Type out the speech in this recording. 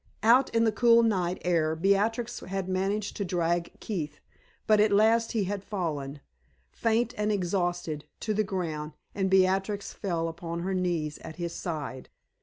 Out in the cool night air Beatrix had managed to drag Keith, but at last he had fallen, faint and exhausted, to the ground, and Beatrix fell upon her knees at his side.